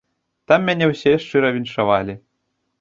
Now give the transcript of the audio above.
Там мяне ўсе шчыра віншавалі.